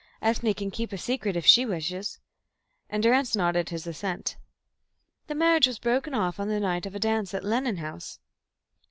"Ethne can keep a secret if she wishes," and Durrance nodded his assent. "The marriage was broken off on the night of a dance at Lennon House."